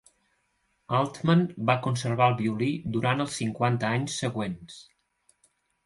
Altman va conservar el violí durant els cinquanta anys següents.